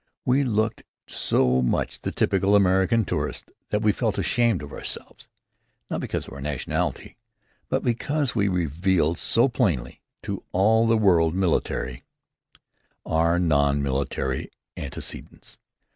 We looked so much the typical American tourists that we felt ashamed of ourselves, not because of our nationality, but because we revealed so plainly, to all the world military, our non military antecedents.